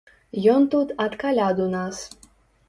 Ён тут ад каляд у нас.